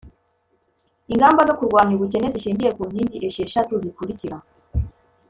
ingamba zo kurwanya ubukene zishingiye ku nkingi esheshatu zikurikira.